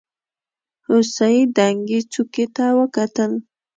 هوسۍ دنګې څوکې ته وکتل.